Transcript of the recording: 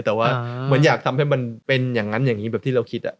แต่ว่าเหมือนอยากทำให้มันเป็นอย่างนั้นอย่างนี้แบบที่เราคิด